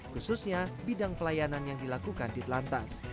khususnya bidang pelayanan yang dilakukan di telantas